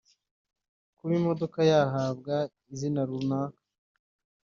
Kuba imodoka yahabwa izina runaka